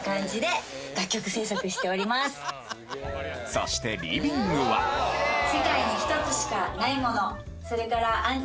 そしてリビングはそれから。